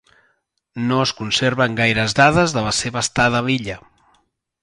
No es conserven gaires dades de la seva estada a l'illa.